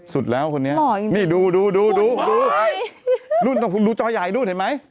สุดแล้วคนนี้นี่ดู